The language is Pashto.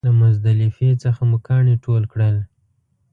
له مزدلفې څخه مو کاڼي ټول کړل.